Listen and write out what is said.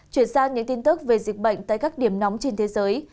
chuyển sang những tin tức về dịch bệnh tại các điểm nóng trên thế giới